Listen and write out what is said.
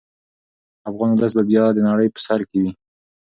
افغان ولس به بیا د نړۍ په سر کې وي.